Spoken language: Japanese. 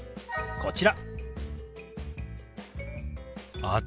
こちら。